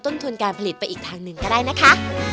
ต้นทุนการผลิตไปอีกทางหนึ่งก็ได้นะคะ